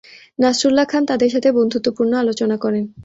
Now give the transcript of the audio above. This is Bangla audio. নাসরুল্লাহ খান তাদের সাথে বন্ধুত্বপূর্ণ আলোচনা করেন।